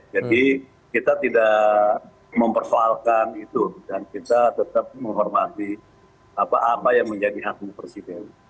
jadi kita tidak memperfaalkan itu dan kita tetap menghormati apa apa yang menjadi haknya presiden